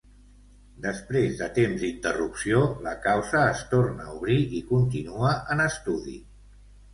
Després de temps d'interrupció, la causa es torna a obrir i continua en estudi.